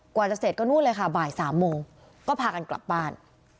กว่าจะเสร็จก็นู่นเลยค่ะบ่าย๓โมงก็พากันกลับบ้าน